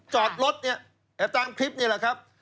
จอดรถเนี่ยตามคลิปนี่แหละครับ